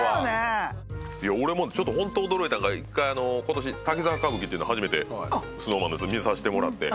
俺もちょっとほんと驚いたのが１回あの今年「滝沢歌舞伎」っていうの初めてＳｎｏｗＭａｎのやつ観させてもらって。